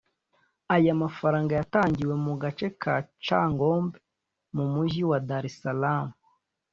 Aya mafranga yatangiwe mu gace ka Chang’ombe mu mujyi wa Dar es Salaam